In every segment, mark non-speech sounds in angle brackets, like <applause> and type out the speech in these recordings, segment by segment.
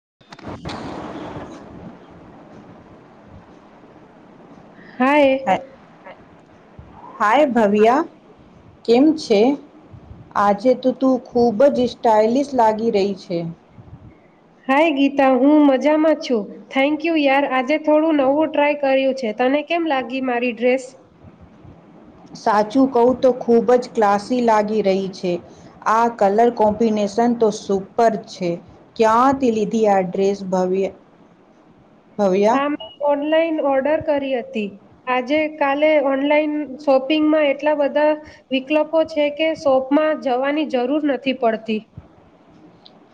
<inaudible> હાય. હે- હાય ભવ્યા કેમ છે. આજે તો તું ખૂબ જ સ્ટાઇલિશ લાગી રહી છે. હાય ગીતા હું મજામાં છું થેન્ક યુ યાર આજે થોડું નવું ટ્રાય કર્યું છે તને કેમ લાગી મારી ડ્રેસ. સાચું કહું તો ખૂબ જ ક્લાસી લાગી રહી છે આ કલર કોમ્બિનેશન તો સુપર છે ક્યાંથી લીધી આ ડ્રેસ ભવ્ય. હવે આ ઓનલાઈન ઓર્ડર કરી હતી આજે કાલે ઓનલાઈન શોપિંગમાં એટલા બધા વિકલ્પો છે કે શોપમાં જવાની જરૂર નથી પડતી.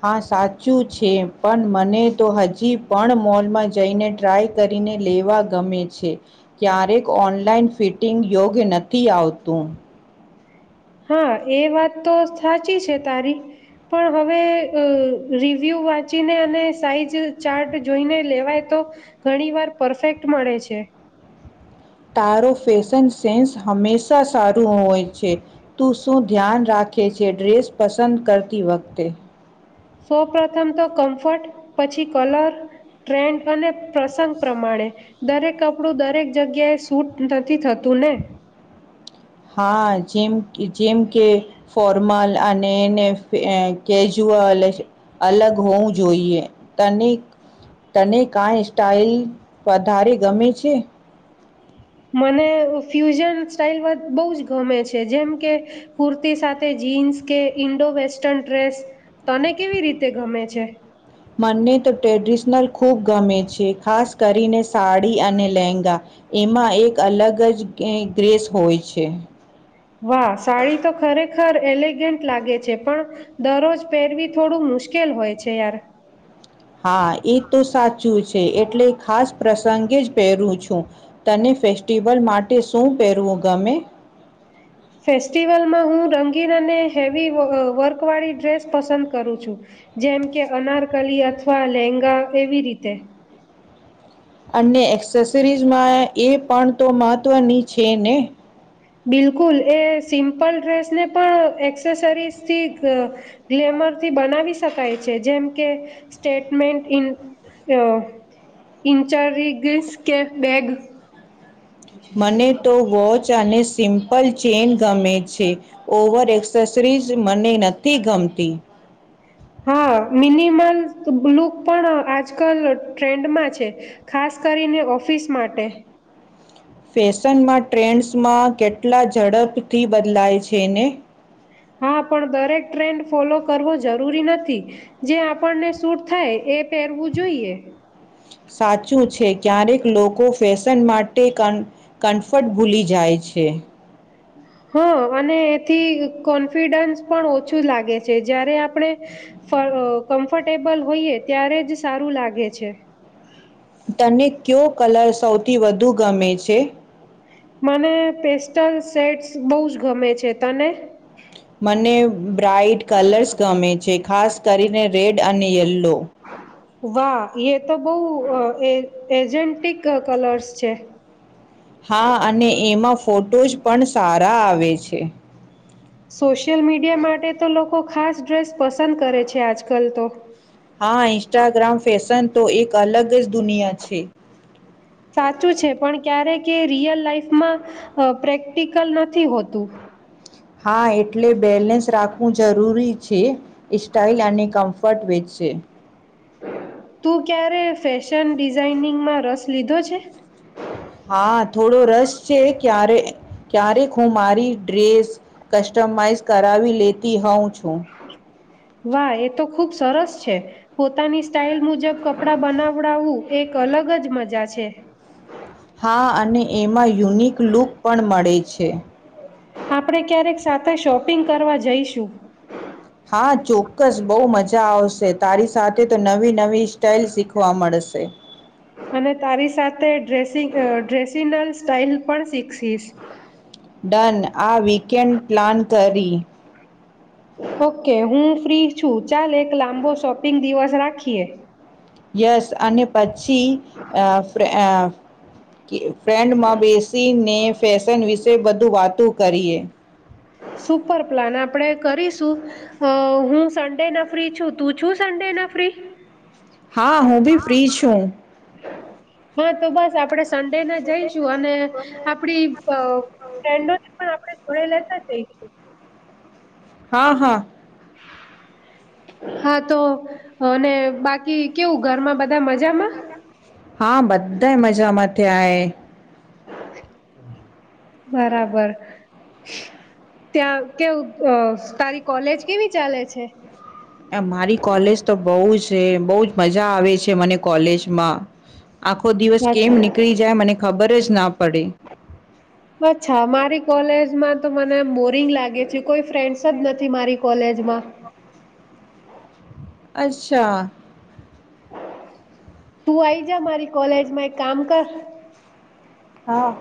હા સાચું છે પણ મને તો હજી પણ મોલમાં જઈને ટ્રાય કરીને લેવા ગમે છે ક્યારેક ઓનલાઈન ફિટિંગ યોગ્ય નથી આવતું. હા એ વાત તો સાચી છે તારી પણ હવે રિવ્યૂ વાંચીને અને સાઈઝ ચાર્ટ જોઈને લેવાય તો ઘણી વાર પરફેક્ટ મળે છે. તારો ફેશન સેન્સ હંમેશા સારું હોય છે તું શું ધ્યાન રાખે છે ડ્રેસ પસંદ કરતી વખતે. સૌ પ્રથમ તો કમ્ફર્ટ પછી કલર ટ્રેન્ડ અને પ્રસંગ પ્રમાણે દરેક કપડું દરેક જગ્યાએ સૂટ નથી થતું ને. હા જેમ કે જેમ કે ફોર્મલ અને એને ને કેજ્યુઅલ અલગ હોવું જોઈએ તને તને કાઈ સ્ટાઈલ વધારે ગમે છે. મને ફ્યુઝન સ્ટાઈલ બહુ જ ગમે છે જેમ કે કુર્તી સાથે જીન્સ કે ઈન્ડો વેસ્ટર્ન ડ્રેસ તને કેવી રીતે ગમે છે. મને તો ટ્રેડિશનલ ખૂબ ગમે છે ખાસ કરીને સાડી અને લહેંગા એમાં એક અલગ જ ગ્રેસ હોય છે. વાહ સાડી તો ખરેખર એલીગેન્ટ લાગે છે પણ દરરોજ પહેરવી થોડું મુશ્કેલ હોય છે યાર. હા એ તો સાચું છે એટલે ખાસ પ્રસંગે જ પહેરું છું તને ફેસ્ટિવલ માટે શું પહેરવું ગમે. ફેસ્ટિવલમાં હું રંગીન અને હેવી વર્ક વાળી ડ્રેસ પસંદ કરું છું જેમ કે અનારકલી અથવા લેંગા એવી રીતે. અને એક્સેસરીઝમાં એ પણ તો મહત્ત્વની છે ને. બિલકુલ એ સિમ્પલ ડ્રેસને પણ એક્સેસરીઝથી ગ્લેમરથી બનાવી શકાય છે જેમ કે સ્ટેટમેન્ટ ઇ અં ઇન્ચરીગસ કે બેગ. મને તો વોચ અને. સિમ્પલ ચેન ગમે છે ઓવર એક્સેસરીઝ મને નથી ગમતી. હા મિનિમલ લુક પણ આજકાલ ટ્રેન્ડમાં છે ખાસ કરીને ઓફિસ માટે. ફેશનમાં ટ્રેન્ડસમાં કેટલા ઝડપથી બદલાય છે ને. હા પણ દરેક ટ્રેન્ડ ફોલો કરવો જરૂરી નથી જે આપણને સૂટ થાય એ પહેરવું જોઈએ. સાચું છે ક્યારેક લોકો ફેશન માટે ક કન્ફર્ટ ભૂલી જાય છે. હ અને એથી કોન્ફિડન્સ પણ ઓછું લાગે છે જારે આપણે કમ્ફર્ટેબલ હોઈયએ ત્યારે જ સારું લાગે છે. તને કયો કલર સૌથી વધુ ગમે છે. મને પેસ્ટલ સેડ્સ બહુ જ ગમે છે તને. મને બ્રાઈટ કલર્સ ગમે છે ખાસ કરીને રેડ અને યેલ્લો વાહ એ તો બહ એ એજેન્ટિક કલર્સ છે. હા અને એમાં ફોટોઝ પણ સારા આવે છે. સોશિયલ મીડિયા માટે તો લોકો ખાસ ડ્રેસ પસંદ કરે છે આજ કલ તો. હા ઇન્સ્ટાગ્રામ ફેશન તો એક અલગ જ દુનિયા છે. સાચું છે પણ ક્યારેક કે રિયલ લાઈફમાં પ્રેક્ટિકલ નથી હોતું હા એટલે બેલેન્સ રાખવું જરૂરી છે એ સ્ટાઇલ અને કમ્ફર્ટ વેચશે તું ક્યારે ફેશન ડિઝાાઈનિંગમાં રસ લીધો છે? હા થોડો રશ છે ક્યારે ક્યારે હું મારી ડ્રેસ કસ્ટમાઈઝ કરાવી લેતી હોઉં છુ વાહ એ તો ખુબ સરસ છે પોતાની સ્ટાઈલ મુજબ કપડા બનાવડાવું એક અલગ જ મજા છે. હા અને એમાં યુનિક લુક પણ મળે છે. છે. આપણે ક્યારેક સાથે શોપિંગ કરવા જઈશું. હા ચોક્કસ બહુ મજા આવશે તારી સાથે તો નવીન નવી સ્ટાઇલ શીખવા મળશે. ડ્રેસિ અ ડ્રેસિનલ સ્ટાઇલ પણ શીખસીસ. ડન આ વીકેન્ડ પ્લાન કરી ઓકે હું ફ્રી છું. ચાલ એક લાંબો શોપિંગ દિવસ રાખીએ. યસ અને પછી છી. અ ફ અ. કે ફ્રેન્ડમાં બેસીને ફેશન વિશે બધુ વાતો કરીએ. સુપર પ્લાન આપણેે કરીશું હું સન્ડે ના ફ્રી છું તું છું સન્ડે ના ફ્રી. હા હું બી ફ્રી છું. હા તો બસ આપડે સ સન્ડેને જઈશું અને આપડી અ ફન્ડોને પણ આપણે જોડે લેતા જઈશું. હા-હા. હા તો અને બાકી કેવું ઘરમાં બધા મજામાં હા, બધા મજામાં. થાય બરાબર, ત્યાં કેવું, તારી કોલેજ કેવી ચાલે છે? એ મારી કોલેજ તો બોજ છે, બોજ મજા આવે છે, મને કોલેજમાં. આખો દિવસ કેમ અચ્છા નીકળી જાય મને ખબરજ ના પડી અચ્છા. મારી કોલેજમાં તો મને બોરિંગ લાગે છે, કોઈ ફ્રેન્ડસજ નથી, મારી કોલેજમાં. અચ્છા. તું આઈ જા મારી કોલેજમાં એક કામ કર હા,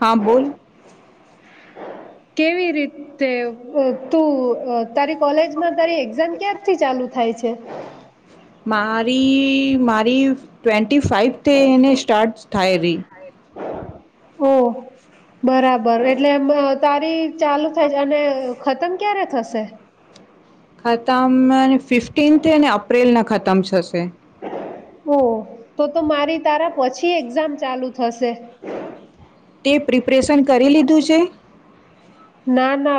હા, બોલ કેવી રીતે હું તું અહ તારી કોલેજમાં તારી એક્ઝામ ક્યારથી ચાલુ થાય છે? મારી, મારી ટ્વિન ટી ફાઈવથી એને સ્ટાર્ટ થાય રી ઓ બરાબર, એટલે તારી ચાલુ થાય અને ખતમ ક્યારે થશે? ખતમ ફિફ્ટનથે ને અપ્રિલ ના ખાત ખમ છશે. ઓ, તો તો મારી તારા પછી એક્ઝામ ચાલુ થશે. તે પ્રીપ ઓપરેશન કરી લીધું છે?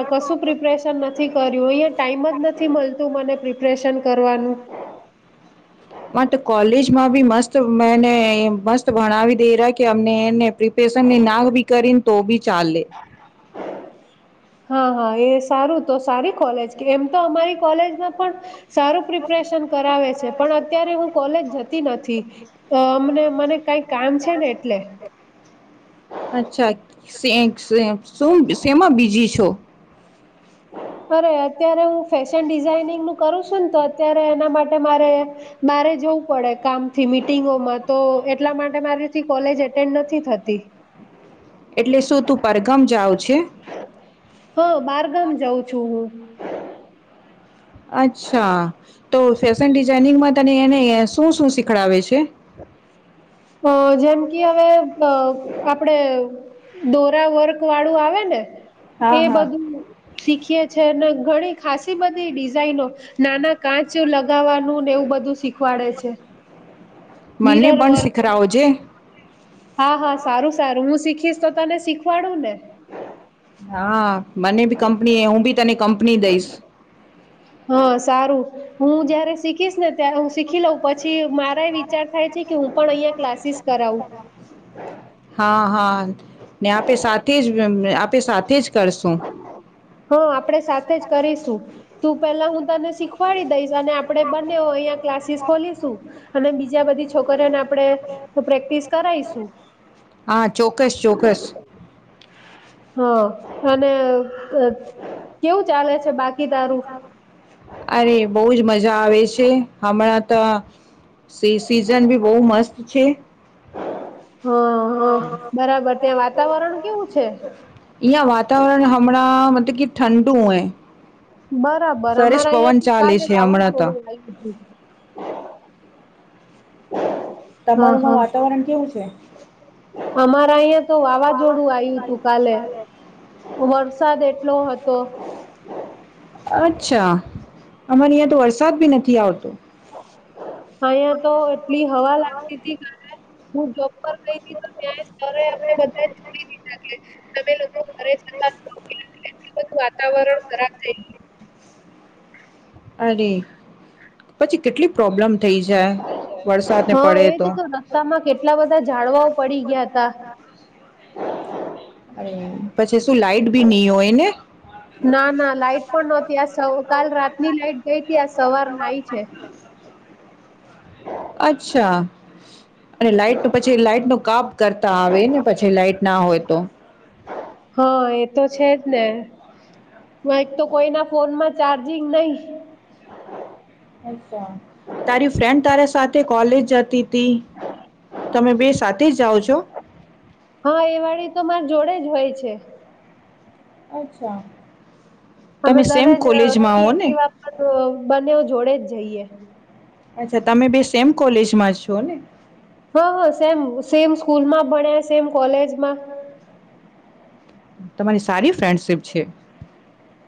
કશુ પ્રિપરેશન નથી કર્યું અહી ટાઈમ જ નથી મળતું મને પ્રિપરેશન કરવાનું. માટે કોલેજમાં બી મસ્ત મેને મસ્ત ભણાવી દે રહ કે અમને એને પ્રિપેરેશનની ના બી કરીને તો બી ચાલે હા હા એ સારું તો સારી કોલેજ કે એમ તો અમારી કોલેજમાં પણ સારું પ્રિપરેશન કરાવે છે પણ અત્યારે હું કોલેજ જતી નથી અ મને મને કઈ કામ છે ને એટલે અચ્છા શું શેમા બીજી છો? અરે અત્યારે હું ફેશન ડિઝાઈનિંગ નું કરું છું ને તો અત્યારે એના માટે મારે બારે જવું પડે કામથી મીટિંગોમાં તો એટલા માટે મારીથી કોલેજ એટેન્ડ નથી થતી એટલે શું તું પરઘમ જાઉ હા બારગામ જાઉ છું હું અચ્છા તો ફેશન ડિઝઇનિંગમાં તને એને શું શું શીખડાવે છે? અ જેમકી હવે આપડે દોરા વર્ક વાળું આવે ને હા એ હા બધું શીખીએ છે ને ઘણી ખાસી બધી ડિઝાઇનો નાના કાચ એવુ લગાવવાનું ને એવુ બધું શીખવાડે છે. મને મિરર પણ વર્ક શીખરાવો જે હા હા સારું સારું હું શીખ શીખીશ તો તને શીખવાડુ ને. હા મને બી કંપનીએ હું બી તને કંપની દઈશ હ સારું. હું જયારે શીખીશ ને ત્યારે હું શીખી લઉં પછી મારા વિચાર થાય છે કે હું પણ અહિયાં ક્લાસીસ કરાવું હા હા. ને આપે સાથે જ આપે સાથે જ. કરશું હા આપણેે સાથે જ કરીશું. તું પેલા હું તને શીખવાડી દઈશ અને આપડે બંનેઓ અહ્યા ક્લાસીસ ખોલીશું અને બીજ ત્યાં બધી છોકઓને આપ આપડે પ્રેક્ટિસ કરાઈશુ હા ચોક્કસ ચોક્કસ હ. અને કેવું ચાલે છે બાકી તારું અરે બઉુજ મજા મજા આવે છે હમણાં તો સી સીઝન બી બહુ મસ્ત પી છે. હા હ બરાબર ત્યાં વાતાવરણ કેવું છે? અહીંયા વાતાવરણ હમણાં મતલબ કે ઠંડુ એ. બરાબર અમારા અહંથી કાલે છે હમણાં તો વાવાઝોડું આવ્યું હતું. હ <inaudible> હા તમારુંમાં હા,. વાતાવરણ કેવું છે? અમારા અહિયાં તો વાવાઝોડું આવ્યું હતું કાલે વરસાદ એટલો હતો. અચ્છા અમારે અહં તો વરસાદ ભી નથી આવતો. અહયા તો એટલી હવા લાગતી ત હું જોર ગઈ તો ત્યાં સ્તને બધા તમે લોકો ઘરે જતા એટલું બધું વાતાવરણ ખરાબ થઈ ગયુ. અરે પછી કેટલી પ્રોબ્લેમ થઈ જાય વરસાદને હા પડે એજ તો રસ્તામાં કેટલા બધા જાડવાઓ પડી ગયા તા. અ પછી શું લાઈટ ભી નહી હોયને. ના ના લાઈટ પણ નહતી આ કાલ રાતની લાઈટ ગઈ હતી આ સવાર ના આવી છે. અચ્છા અને લાઈટ ન પછી લાઈટ ન કાપ કરતા આવે ને પછી લાાઈટ ના હોય તો હા એ તો છે જ ને અઈ તો કોઈના ફોનમાં ચાર્જિંગ નહી અછા તારી ફ્રેન્ડ તારા સાથે કોલેજ જતી તમે બે સાથે જાઓ છો? હા એ વાળી તો મારી જોડે જ હોય છે અચ્છા અમે દરોજ <inaudible> બને જોડે જ જઈએ અચ્છા તમે બે સેમ કોલેજમાં છો ને? હ હ સેમ સેમ સ્કૂલમાં ભણ્યા સેમ કોલેજમાં તમારી સારી ફ્રેન્ડશિપ છે.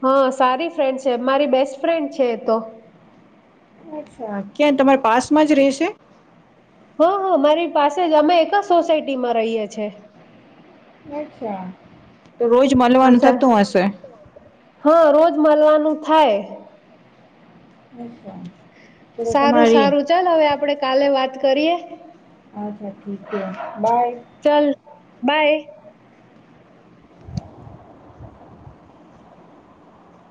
હા સારી ફ્રેન્ડ છે મારી બેસ્ટ ફ્રેન્ડ છે એ તો અછા ક્યાં તમારા પાસમાં જ રેહશે? હ હ મારી પાસે જ અમે એક સોસાયટીમાં રહીએ છે. અચ્છા અચ્છા હા રોજ મળવાનું થાય. તો સારું તમારી સારું ચાલ હવે આપડે કાલે વાત કરીએ અચ્છા ઠીક છે બાય ચાલ બાય